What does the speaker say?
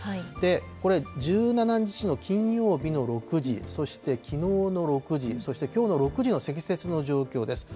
これ、１７日の金曜日の６時、そしてきのうの６時、そしてきょうの６時の積雪の状況です。